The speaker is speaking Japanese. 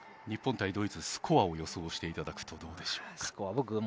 日本とドイツのスコアを予想していただくとどうでしょうか。